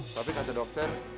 tapi kata dokter